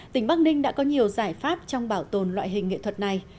tỉnh bắc ninh đã có nhiều giải pháp trong bảo tồn loại hình nghệ thuật này